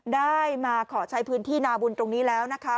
ได้มาขอใช้พื้นที่นาบุญตรงนี้แล้วนะคะ